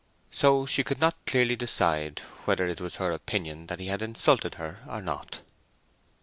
So she could not clearly decide whether it was her opinion that he had insulted her or not.